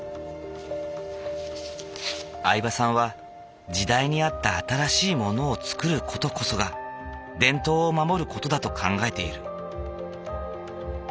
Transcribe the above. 饗庭さんは時代に合った新しいものを作る事こそが伝統を守る事だと考えている。